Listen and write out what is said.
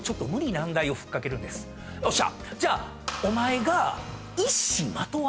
よっしゃ。